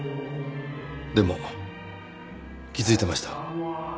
でも気づいてました？